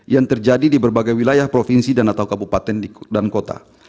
yang terjadi di berbagai wilayah provinsi dan atau kabupaten dan kota